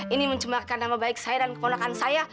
ini mencemarkan nama baik saya dan keponakan saya